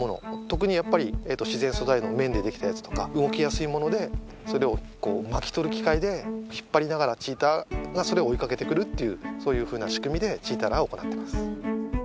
特にやっぱり自然素材の綿で出来たやつとか動きやすいものでそれを巻き取る機械で引っ張りながらチーターがそれを追いかけてくるっていうそういうふうな仕組みでチーターランを行ってます。